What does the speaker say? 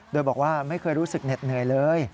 โดยบอกว่าไม่เคยรู้สึกเหน็ดเหนื่อยเลย